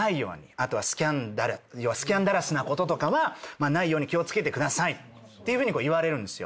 あとはスキャンダラスなこととかはないように気を付けてくださいっていうふうに言われるんですよ。